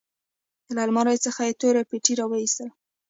له المارۍ څخه يې توره پټۍ راوايستله.